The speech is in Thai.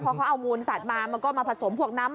พอเขาเอามูลสัตว์มามันก็มาผสมพวกน้ำ